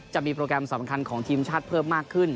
จะมีโปรแกรมสำคัญของทีมชาติเพิ่มมากขึ้น